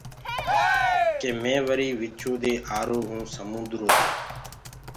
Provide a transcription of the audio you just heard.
ڪي مي وري وِچو دي آرو هو سموندرو دي۔